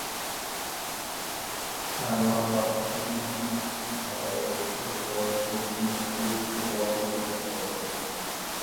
কার্মা-পাক্শি এগারো বছর বয়সে ভিক্ষুর শপথ গ্রহণ করেন।